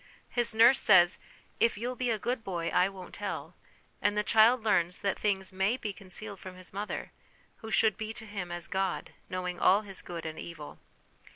His nurse says, " If you'll be a good boy, I won't tell "; and the child learns that things may be concealed from his mother, who should be to him as God, knowing all his good and evil.